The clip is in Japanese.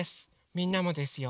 みんなもですよ。